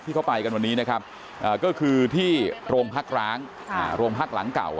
ที่เขาไปกันวันนี้นะครับอ่าก็คือที่โรงพักร้างอ่าโรงพักหลังเก่าอ่ะ